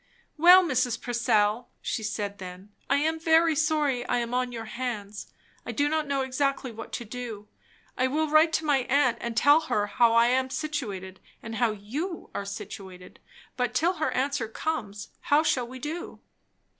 "Well, Mrs. Purcell," she said then, "I am very sorry I am on your hands. I do not know exactly what to do. I will write to my aunt, and tell her how I am situated, and how you are situated; but till her answer comes, how shall we do?"